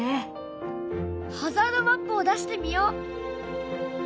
ハザードマップを出してみよう！